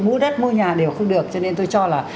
mua đất mua nhà đều không được cho nên tôi cho là